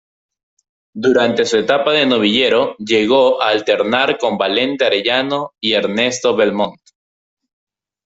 Durante su etapa de novillero llegó a alternar con Valente Arellano y Ernesto Belmont.